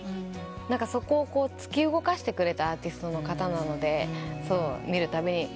そこを突き動かしてくれたアーティストの方なので見るたびに神って思いながら。